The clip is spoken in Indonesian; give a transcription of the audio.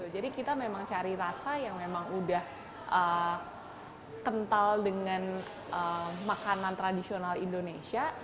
jadi kita memang cari rasa yang memang udah kental dengan makanan tradisional indonesia